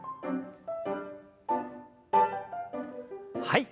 はい。